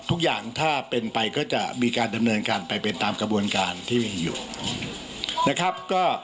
ทุกอย่างถ้าเป็นไปก็จะมีการดำเนินการไปเป็นตามกระบวนการที่มีอยู่นะครับก็